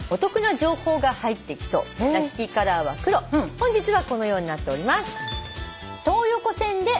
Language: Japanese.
本日はこのようになっております。